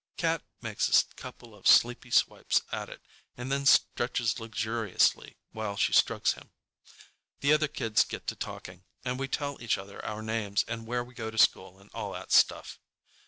Cat makes a couple of sleepy swipes at it and then stretches luxuriously while she strokes him. The other kids get to talking, and we tell each other our names and where we go to school and all that stuff.